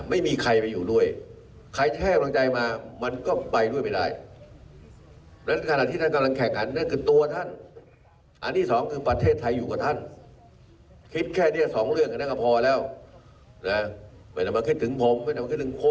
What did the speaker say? มีแค่แรงออกซึ่งท่านจะต้องเอาชายชนะจากเข่า